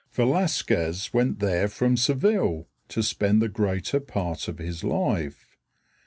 Velasquez went there from Seville to spend the greater part of his life.